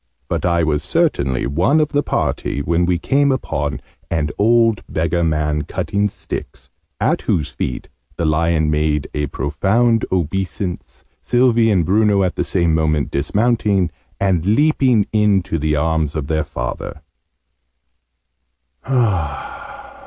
But I was certainly one of the party when we came upon an old beggar man cutting sticks, at whose feet the lion made a profound obeisance, Sylvie and Bruno at the same moment dismounting, and leaping in to the arms of their father.